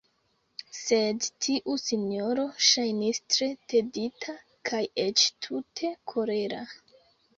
Sed tiu sinjoro ŝajnis tre tedita, kaj eĉ tute kolera.